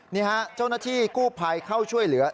นี่ฮะเจ้าหน้าที่กู้ภัยเข้าช่วยเหลือ